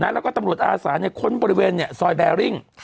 แล้วก็ตำรวจอาสานต์คนบริเวณโซยแบร์ริ่ง